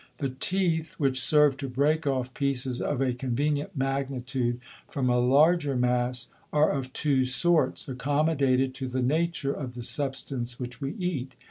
The Teeth, which serve to break off Pieces of a convenient Magnitude from a larger Mass, are of two sorts, accommodated to the Nature of the Substance which we eat.